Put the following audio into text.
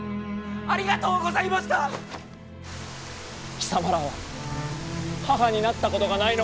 貴様らは母になったことがないのか？